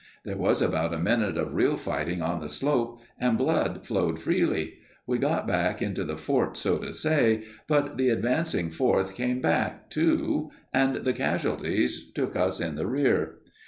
There was about a minute of real fighting on the slope, and blood flowed freely. We got back into the fort, so to say; but the advancing Fourth came back, too, and the casualties took us in the rear.